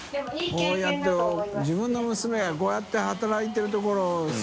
海Δ笋辰自分の娘がこうやって働いてるところ垢